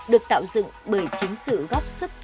được tạo dựng bởi chính sự góp sức